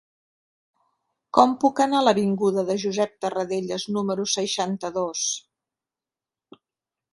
Com puc anar a l'avinguda de Josep Tarradellas número seixanta-dos?